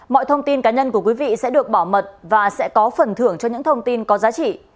mọi thông tin cá nhân của quý vị sẽ được bảo mật và sẽ có phần thưởng cho những thông tin có giá trị